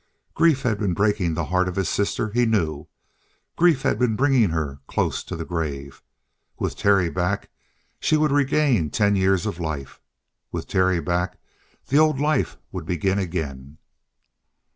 Grief had been breaking the heart of his sister, he knew. Grief had been bringing her close to the grave. With Terry back, she would regain ten years of life. With Terry back, the old life would begin again.